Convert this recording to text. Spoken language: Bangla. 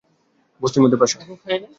বস্তির মধ্যে প্রাসাদ।